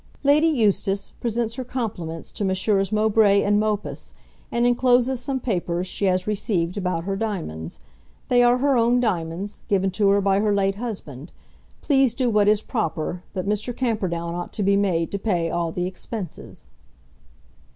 "Lady Eustace presents her compliments to Messrs. Mowbray and Mopus, and encloses some papers she has received about her diamonds. They are her own diamonds, given to her by her late husband. Please do what is proper, but Mr. Camperdown ought to be made to pay all the expenses."